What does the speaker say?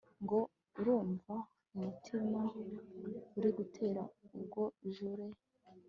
ngo arumva umutima uri gutera ubwo Jule